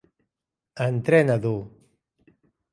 Entrena dur.